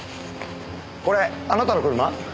これあなたの車？